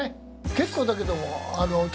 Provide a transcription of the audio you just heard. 結構だけど。